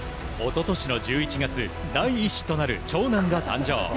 一昨年の１１月第１子となる長男が誕生。